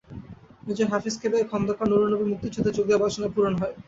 Major হাফিজকে পেয়ে খোন্দকার নূরুন্নবীর মুক্তিযুদ্ধে যোগ দেওয়ার বাসনা পূরণ হয়।